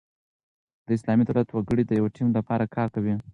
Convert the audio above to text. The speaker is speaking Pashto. د اسلامي دولت وګړي د یوه ټیم له پاره کار کوي.